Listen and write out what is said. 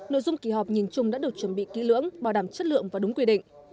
nội dung kỳ họp nhìn chung đã được chuẩn bị kỹ lưỡng bảo đảm chất lượng và đúng quy định